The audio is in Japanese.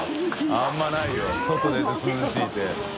△鵑泙ないよ外出て涼しいって。